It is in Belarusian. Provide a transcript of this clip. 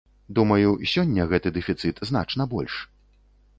Думаю, сёння гэты дэфіцыт значна больш.